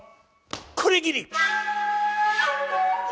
これぎり。